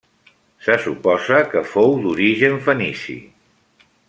Se suposa que fou d'origen fenici.